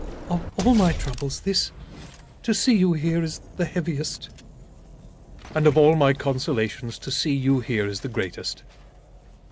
"Of all my troubles this, to see you here, is the heaviest." "And of all my consolations to see you here is the greatest."